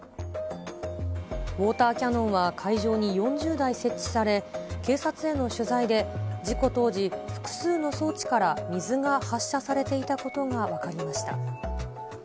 ウオーターキャノンは会場に４０台設置され、警察への取材で、事故当時、複数の装置から水が発射されていたことが分かりました。